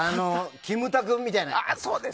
キムタクみたいな。